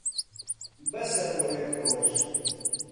بەسە بۆ یەک ڕۆژ.